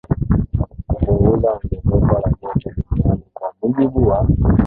kupunguza ongezeko la joto Duniani Kwa mujibu wa